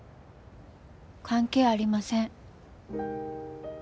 関係ありません。